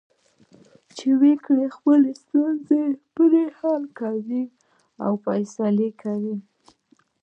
چې وګړي خپلې ستونزې پرې حل کوي او فیصلې کوي.